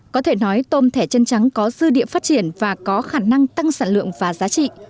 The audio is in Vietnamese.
có thể nói tôm thẻ chân trắng có dư địa phát triển và có khả năng tăng sản lượng và giá trị